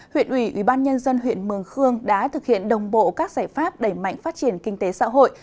huyện ủy ubnd huyện mường khương đã thực hiện đồng bộ các giải pháp đẩy mạnh phát triển kinh tế xã hội